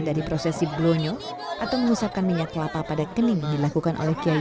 dari prosesi blonyo atau mengusapkan minyak lapa pada kening dilakukan oleh kiai adat